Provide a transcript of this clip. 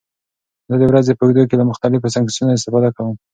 زه د ورځې په اوږدو کې له مختلفو سنکسونو استفاده کوم.